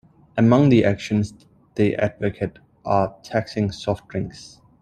Among the actions they advocate are taxing soft drinks.